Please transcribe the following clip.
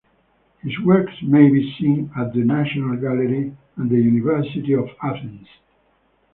His works may be seen at the National Gallery and the University of Athens.